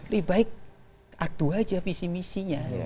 lebih baik aktu saja visi visinya